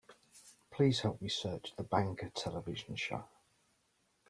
Please help me search The Banker television show.